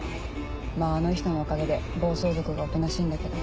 まぁあの人のおかげで暴走族がおとなしいんだけど。